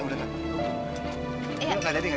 gak jadi gak jadi